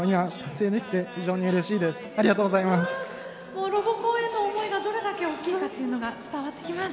もうロボコンへの思いがどれだけおっきいかっていうのが伝わってきます。